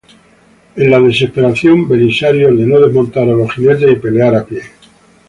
En la desesperación, Belisario ordenó desmontar a los jinetes y pelear a pie.